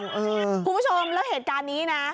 คุณผู้ชมแล้วเหตุการณ์นี้นะ